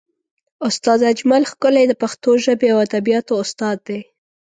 استاد اجمل ښکلی د پښتو ژبې او ادبیاتو استاد دی.